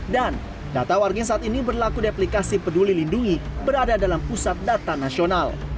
dan data warga yang saat ini berlaku di aplikasi peduli lindungi berada dalam pusat data nasional